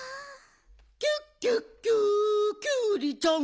「キュッキュッキュキュウリちゃん」